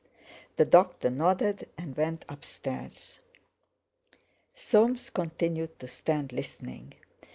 The doctor nodded, and went upstairs. Soames continued to stand, listening.